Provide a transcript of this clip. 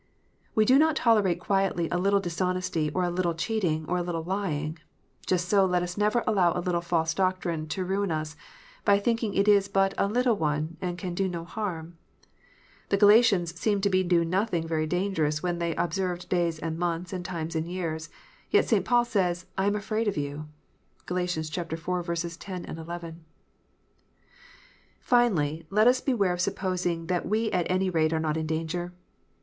We do not tolerate quietly a little dishonesty, or a little cheating, or a little lying : just so, let us never allow a little false doctrine to ruin us, by thinking it is but a "little one," and can do no harm. The Galatians seemed to be doing nothing very dangerous when they "ob served days and months, and times and years ;" yet St. Paul says, "I am afraid of you." (GaL iv. 10, 11.) Finally, let us beware of supposing that we at any rate are not in danger.